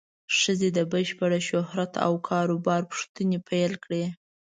ښځې د بشپړ شهرت او کار و بار پوښتنې پیل کړې.